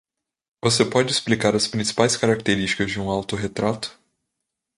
Você pode explicar as principais características de um auto-retrato?